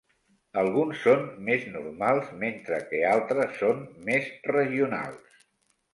Alguns són més normals, mentre que altres són més regionals.